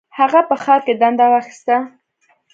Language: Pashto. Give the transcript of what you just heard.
هغه په ښار کې دنده واخیسته.